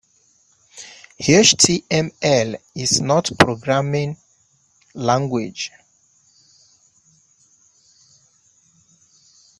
HTML is not a programming language.